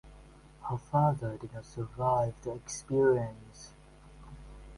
Her father did not survive the experience.